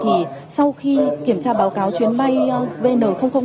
thì sau khi kiểm tra báo cáo chuyến bay vn năm mươi bốn